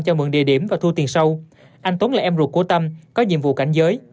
cho mượn địa điểm và thu tiền sâu anh tuấn là em ruột của tâm có nhiệm vụ cảnh giới